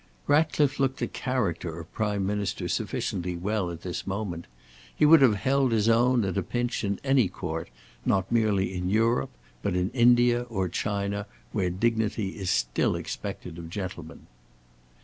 Ratcliffe looked the character of Prime Minister sufficiently well at this moment. He would have held his own, at a pinch, in any Court, not merely in Europe but in India or China, where dignity is still expected of gentlemen.